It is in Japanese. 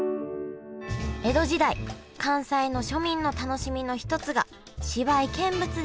江戸時代関西の庶民の楽しみの一つが芝居見物でした。